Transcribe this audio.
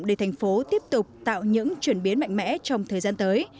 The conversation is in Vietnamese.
để thành phố tiếp tục tạo những chuyển biến mạnh mẽ trong thời gian tới